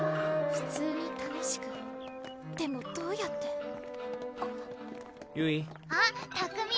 普通に楽しくでもどうやってゆいあっ拓海